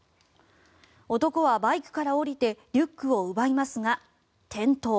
男はバイクから降りてリュックを奪いますが転倒。